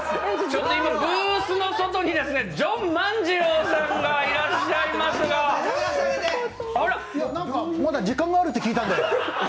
ちょっと今、ブースの外にジョン万次郎さんがいらっしゃいますがまだ時間があるって聞いたんで。